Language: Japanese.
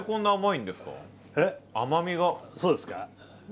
そうですか。